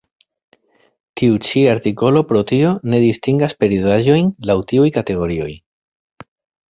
Tiu ĉi artikolo pro tio ne distingas periodaĵojn laŭ tiuj kategorioj.